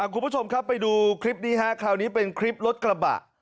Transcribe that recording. คุณผู้ชมครับไปดูคลิปนี้ฮะคราวนี้เป็นคลิปรถกระบะ